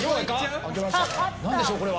何でしょう、これは。